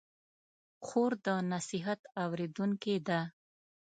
خور د نصیحت اورېدونکې ده.